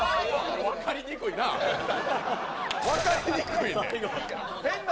分かりにくいな！